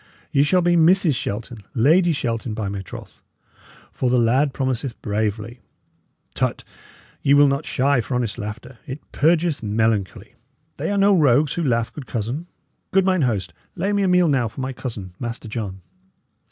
Ye shall be Mrs. Shelton Lady Shelton, by my troth! for the lad promiseth bravely. Tut! ye will not shy for honest laughter; it purgeth melancholy. They are no rogues who laugh, good cousin. Good mine host, lay me a meal now for my cousin, Master John.